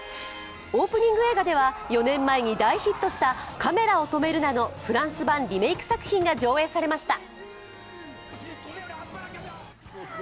オープニング映画では４年前に大ヒットした「カメラを止めるな！」のフランス版リメイク作品が上映されました。